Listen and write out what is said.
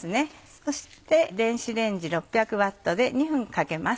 そして電子レンジ６００Ｗで２分かけます。